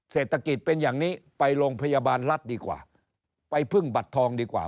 เศรษฐกิจเป็นอย่างนี้ไปโรงพยาบาลรัฐดีกว่าไปพึ่งบัตรทองดีกว่า